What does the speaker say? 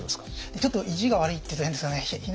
ちょっと意地が悪いっていうと変ですかね。